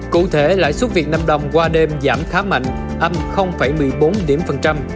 cụ thể lãi suất việt nam đồng qua đêm giảm khá mạnh âm một mươi bốn điểm phần trăm